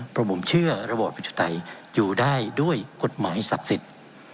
เพราะผมเชื่อระบอบประชาธิปไตยอยู่ได้ด้วยกฎหมายศักดิ์สิทธิ์